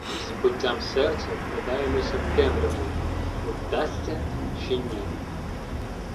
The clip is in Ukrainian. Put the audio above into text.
З биттям серця вглядаємося в темряву: вдасться чи ні?